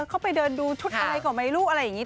เขาไปเดินดูชุดอะไรก็ไม่รู้อะไรอย่างนี้